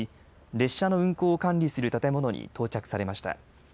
列車の運行を管理する建物に到着されました。